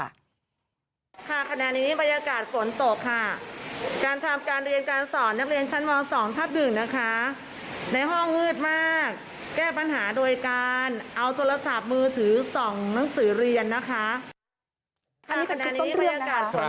อันนี้เป็นคลิปต้นเรื่องนะคะ